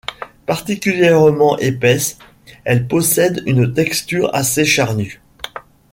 Particulièrement épaisses, elles possèdent une texture assez charnue.